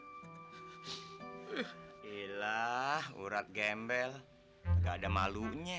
inilah urat gembel gak ada malunya